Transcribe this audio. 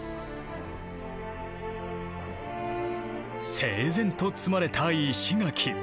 整然と積まれた石垣。